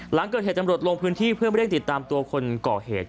หลังเกิดเหตุจำรวจลงพื้นที่เพื่อไม่ได้ติดตามตัวคนก่อเหตุ